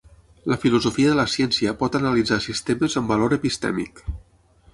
La filosofia de la ciència pot analitzar sistemes amb valor epistèmic.